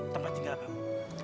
tempat tinggal kamu